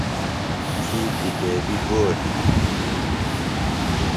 تھی کِتیبیۡ گو ہِنیۡ؟